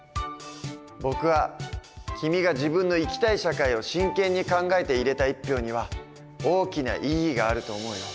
僕は君が自分の生きたい社会を真剣に考えて入れた１票には大きな意義があると思うよ。